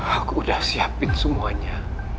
aku udah siapin semuanya